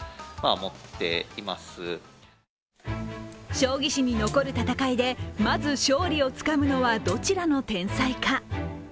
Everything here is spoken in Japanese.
将棋史に残る戦いでまず勝利をつかむのはどちらの天才か。